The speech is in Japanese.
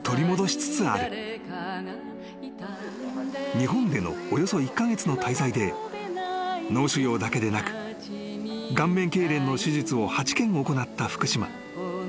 ［日本でのおよそ１カ月の滞在で脳腫瘍だけでなく顔面けいれんの手術を８件行った福島］